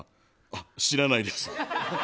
あ、知らないです。